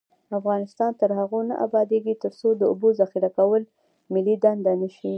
افغانستان تر هغو نه ابادیږي، ترڅو د اوبو ذخیره کول ملي دنده نشي.